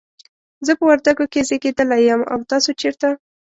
زه په وردګو کې زیږیدلی یم، او تاسو چیرته؟